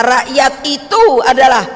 rakyat itu adalah